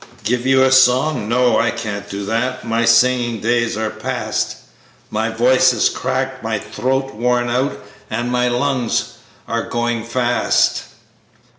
Give you a song? No, I can't do that; my singing days are past; My voice is cracked, my throat's worn out, and my lungs are going fast.